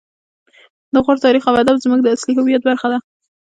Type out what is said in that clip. د غور تاریخ او ادب زموږ د اصلي هویت برخه ده